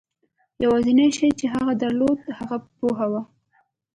یوازېنی شی چې هغه درلود د هغه پوهه وه.